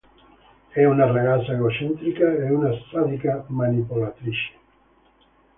È una ragazza egocentrica e una sadica manipolatrice.